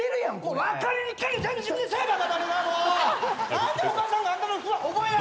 何でお母さんがあんたの服ば覚えな。